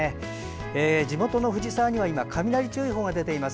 地元・藤沢には雷注意報が出ています。